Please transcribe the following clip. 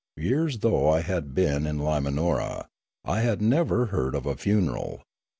Years though I had been in Limanora, I had never heard of a funeral.